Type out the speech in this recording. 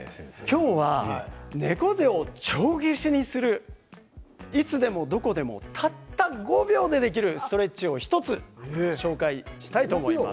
今日は猫背を帳消しにするいつでもどこでもたった５秒でできるストレッチを１つ紹介したいと思います。